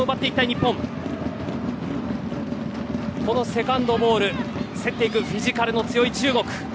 セカンドボール、競っていくフィジカルの強い中国。